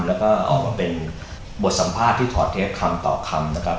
แล้วก็ออกมาเป็นบทสัมภาษณ์ที่ถอดเทปคำต่อคำนะครับ